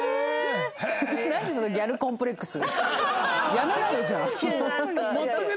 やめなよじゃあ。